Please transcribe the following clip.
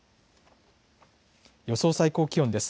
予想最高気温です。